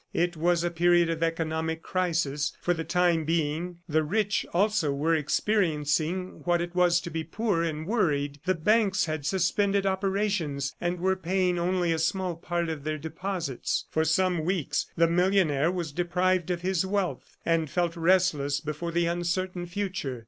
It was a period of economic crisis; for the time being, the rich also were experiencing what it was to be poor and worried; the banks had suspended operations and were paying only a small part of their deposits. For some weeks the millionaire was deprived of his wealth, and felt restless before the uncertain future.